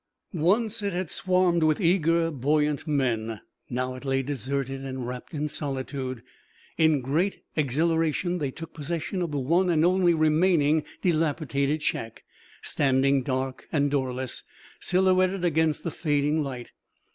Once it had swarmed with eager, buoyant men, but now it lay deserted and wrapped in solitude. In great exhilaration they took possession of the one and only remaining dilapidated shack, standing, dark and doorless, silhouetted against the fading light.